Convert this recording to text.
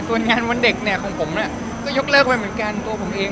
ส่วนงานวันเด็กเนี่ยของผมก็ยกเลิกไปเหมือนกันตัวผมเอง